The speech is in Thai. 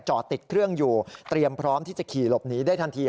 จอดติดเครื่องอยู่พร้อมที่จะขี่หลบหนีได้ทันที